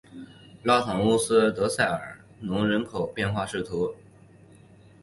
拉庞乌斯德塞尔农人口变化图示